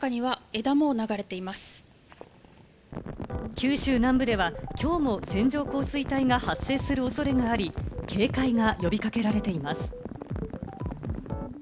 九州南部ではきょうも線状降水帯が発生する恐れがあり、警戒が呼び掛けられています。